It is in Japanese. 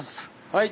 はい！